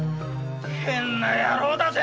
変な野郎だぜ。